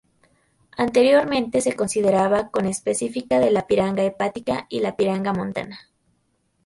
Anteriormente se consideraba conespecífica de la piranga hepática y la piranga montana.